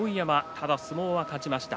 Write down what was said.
ただ相撲は勝ちました。